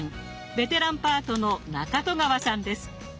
ベテランパートの中戸川さんです。